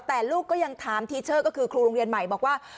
แต่ลูกก็ยังถามทีเชอร์ก็คือครูโรงเรียนใหม่บอกว่า